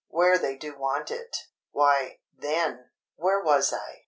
where they do want it—why, then—(where was I?)